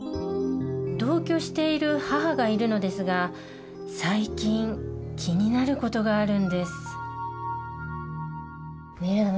同居している母がいるのですが最近気になる事があるんですねえ